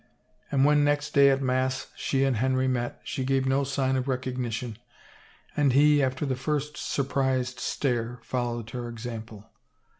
And when, next day at mass, she and Henry met, she gave no sign of recognition, and he, after the first sur prised stare, followed her example.